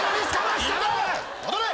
戻れ！